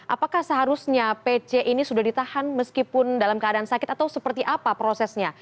apakah seharusnya pc ini sudah ditahan meskipun dalam keadaan sakit atau seperti apa prosesnya